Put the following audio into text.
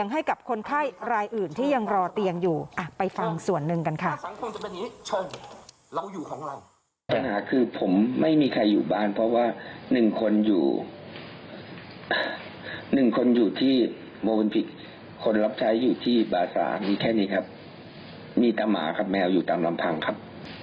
หนึ่งคนอยู่ที่โมงพิษคนรับใช้อยู่ที่บาศามีแค่นี้ครับมีแต่หมาครับแมวอยู่ตามลำพังครับ